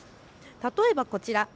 例えばこちら。